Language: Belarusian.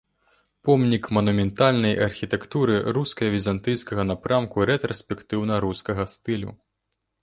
Помнік манументальнай архітэктуры руска-візантыйскага напрамку рэтраспектыўна-рускага стылю.